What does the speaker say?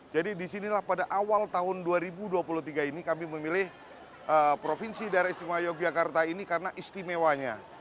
jadi disinilah pada awal tahun dua ribu dua puluh tiga ini kami memilih provinsi daerah istimewa yogyakarta ini karena istimewanya